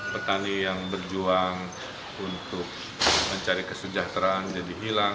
petani yang berjuang untuk mencari kesejahteraan jadi hilang